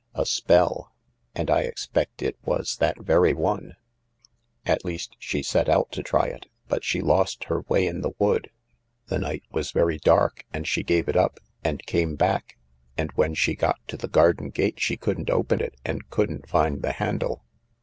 A spell — and I expect it was that very one ; at least, she set out to try it, but she lost her way in the wood. The night was very dark, and she gave it up, and came back, and when she got to the garden gate she couldn't open it and couldn't find the handle.